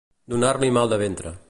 Donar-li mal de ventre.